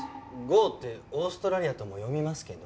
「豪」ってオーストラリアとも読みますけど。